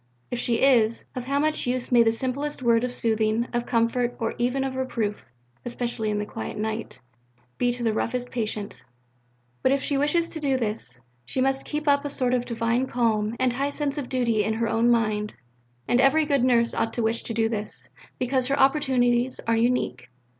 If she is, of how much use may the simplest word of soothing, of comfort, or even of reproof especially in the quiet night be to the roughest patient! But if she wishes to do this, she must keep up a sort of divine calm and high sense of duty in her own mind." And every good nurse ought to wish to do this, because her opportunities are unique.